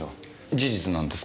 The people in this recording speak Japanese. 事実なんですか？